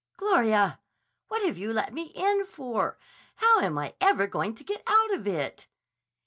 "Gloria! What have you let me in for? How am I ever going to get out of it?"